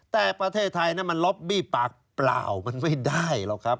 แต่ประเทศไทยมันล็อบบี้ปากเปล่ามันไม่ได้หรอกครับ